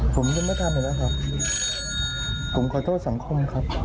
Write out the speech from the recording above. ผมจะไม่ทำอีกแล้วครับผมขอโทษสำคมครับ